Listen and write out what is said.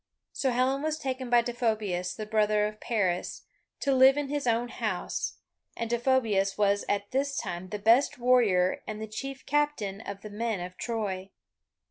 So Helen was taken by Deiphobus, the brother of Paris, to live in his own house, and Deiphobus was at this time the best warrior and the chief captain of the men of Troy.